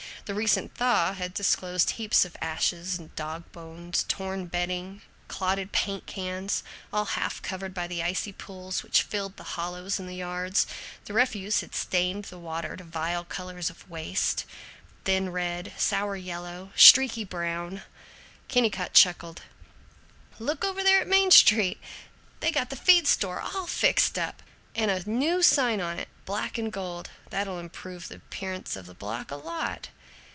The recent thaw had disclosed heaps of ashes, dog bones, torn bedding, clotted paint cans, all half covered by the icy pools which filled the hollows of the yards. The refuse had stained the water to vile colors of waste: thin red, sour yellow, streaky brown. Kennicott chuckled, "Look over there on Main Street! They got the feed store all fixed up, and a new sign on it, black and gold. That'll improve the appearance of the block a lot."